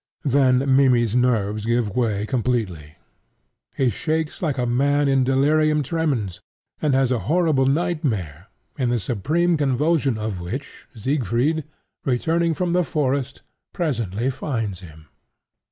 Then Mimmy's nerves give way completely. He shakes like a man in delirium tremens, and has a horrible nightmare, in the supreme convulsion of which Siegfried, returning from the forest, presently finds him.